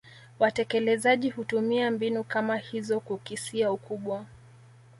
Watekelezaji hutumia mbinu kama hizo kukisia ukubwa